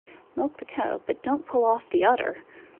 Milk the cow but don't pull off the udder.